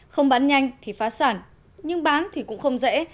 không bán nhanh thì phá sản nhưng bán thì cũng không dễ